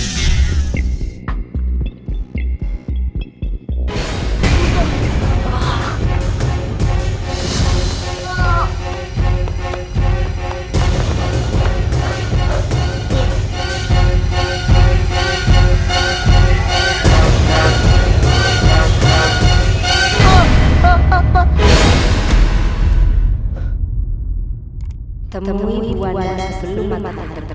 jangan lupa like share dan subscribe